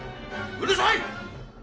うるさい！